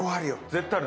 絶対ある。